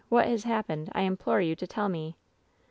What has happened ? I implore you to tell me.'